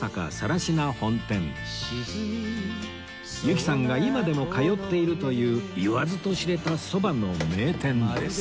由紀さんが今でも通っているという言わずと知れたそばの名店です